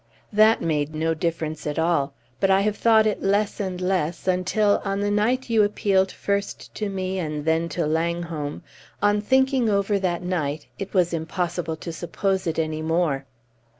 "That made no difference at all. But I have thought it less and less, until, on the night you appealed first to me and then to Langholm on thinking over that night it was impossible to suppose it any more."